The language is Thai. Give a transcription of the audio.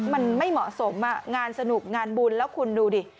มันไม่เหมาะสมงานสนุกงานบุญแล้วคุณดูดิ